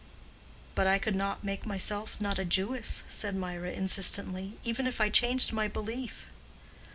"But I could not make myself not a Jewess," said Mirah, insistently, "even if I changed my belief."